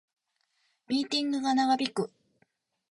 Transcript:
ミーティングが長引く